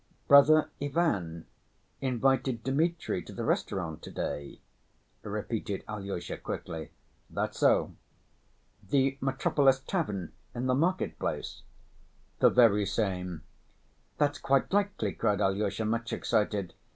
"Brother Ivan invited Dmitri to the restaurant to‐day?" repeated Alyosha quickly. "That's so." "The Metropolis tavern in the market‐place?" "The very same." "That's quite likely," cried Alyosha, much excited.